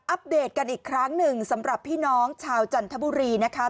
ปเดตกันอีกครั้งหนึ่งสำหรับพี่น้องชาวจันทบุรีนะคะ